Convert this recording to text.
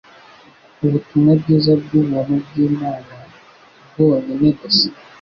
Ubutumwa bwiza bw'ubuntu bw'Imana bwonyine gusa,